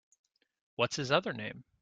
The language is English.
What’s his other name?